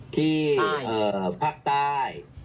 ที่ภาคใต้